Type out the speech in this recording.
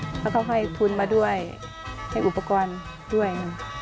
เพราะเขาให้ทุนมาด้วยให้อุปกรณ์ด้วย